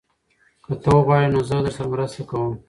که ته وغواړې نو زه درسره مرسته کوم.